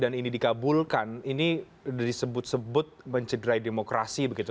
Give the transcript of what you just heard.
dan ini dikabulkan ini disebut sebut mencederai demokrasi begitu